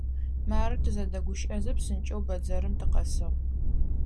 Мары, тызэдэгущыӏэзэ, псынкӏэу бэдзэрым тыкъэсыгъ.